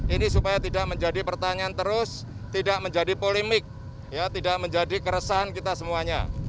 ini supaya tidak menjadi pertanyaan terus tidak menjadi polemik tidak menjadi keresahan kita semuanya